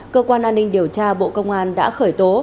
cơ quan an ninh điều tra bộ công an đã khởi tố